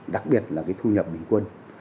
đặc biệt là cái thu nhập bình quân